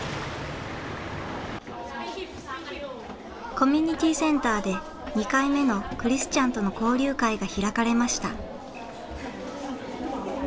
コミュニティーセンターで２回目のクリスチャンとの交流会が開かれました。